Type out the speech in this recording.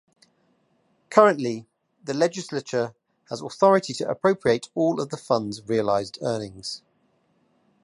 Currently the Legislature has authority to appropriate all of the fund's realized earnings.